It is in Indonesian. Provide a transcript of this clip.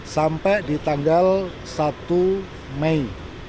sampai di tanggal satu mei